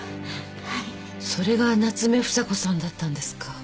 それが夏目房子さんだったんですか。